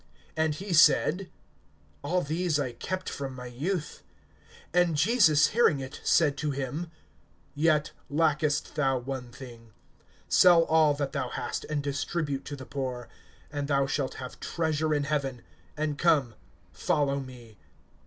(21)And he said: All these I kept from my youth. (22)And Jesus hearing it said to him: Yet lackest thou one thing; sell all that thou hast, and distribute to the poor, and thou shalt have treasure in heaven; and come, follow me.